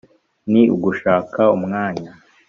Ni ugushaka umwanya